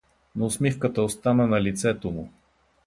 Но усмивката остана на лицето му.